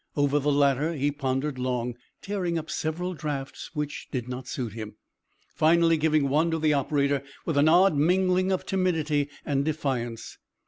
Over the latter he pondered long, tearing up several drafts which did not suit him, finally giving one to the operator with an odd mingling of timidity and defiance.